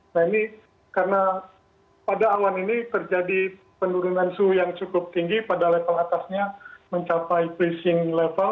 nah ini karena pada awan ini terjadi penurunan suhu yang cukup tinggi pada level atasnya mencapai pressing level